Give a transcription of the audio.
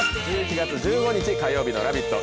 １１月１５日火曜日の「ラヴィット！」